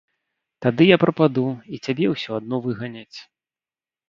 Тады я прападу, і цябе ўсё адно выганяць.